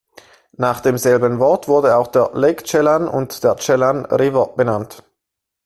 Nach demselben Wort wurden auch der Lake Chelan und der Chelan River benannt.